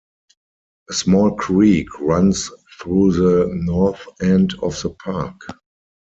A small creek runs through the north end of the park.